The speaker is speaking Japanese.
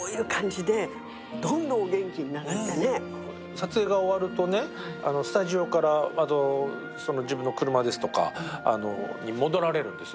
撮影が終わるとスタジオから自分の車ですとかに戻られるんです。